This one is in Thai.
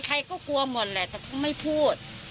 ใครก็กลัวหมดแหละแต่เขาไม่พูด